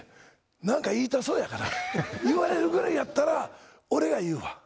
なんか言いたそうやから、言われるぐらいやったら俺が言うわ。